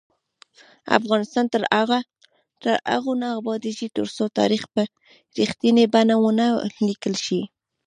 افغانستان تر هغو نه ابادیږي، ترڅو تاریخ په رښتینې بڼه ونه لیکل شي.